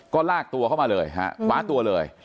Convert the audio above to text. ก็ลากตัวเข้ามาเลยฮะคว้าตัวเลย